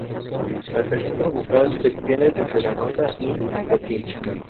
En este bus se monta todo estudiante de veterinaria para ir a la facultad.